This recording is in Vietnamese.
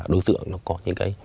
đối tượng nó có những cái